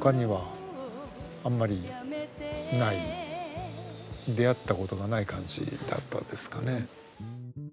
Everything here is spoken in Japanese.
他にはあんまりない出会ったことがない感じだったですかね。